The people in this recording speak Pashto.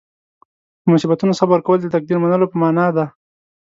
په مصیبتونو صبر کول د تقدیر منلو په معنې ده.